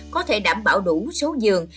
có thể đảm bảo đủ số giường